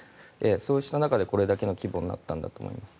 そうした中でこれだけの規模になったんだと思います。